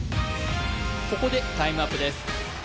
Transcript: ここでタイムアップです